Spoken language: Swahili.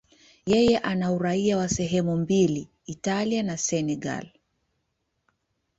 Yeye ana uraia wa sehemu mbili, Italia na Senegal.